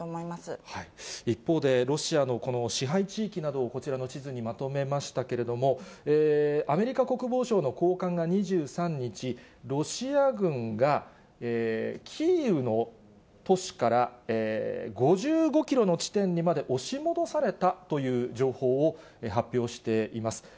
一方で、ロシアのこの支配地域などをこちらの地図にまとめましたけれども、アメリカ国防省の高官が２３日、ロシア軍がキーウの都市から５５キロの地点にまで押し戻されたという情報を発表しています。